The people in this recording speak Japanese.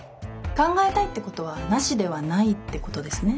考えたいってことはナシではないってことですね？